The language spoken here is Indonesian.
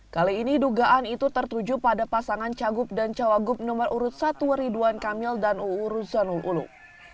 kali ini dugaan itu tertuju pada pasangan cagup dan cawagup nomor urut satu ridwan kamil dan uu ruzanul ulum